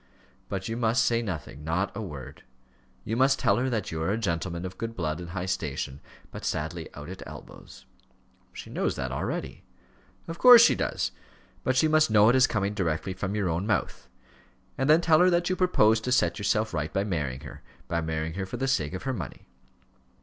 "But you must say nothing not a word; you must tell her that you are a gentleman of good blood and high station, but sadly out at elbows." "She knows that already." "Of course she does; but she must know it as coming directly from your own mouth. And then tell her that you propose to set yourself right by marrying her by marrying her for the sake of her money."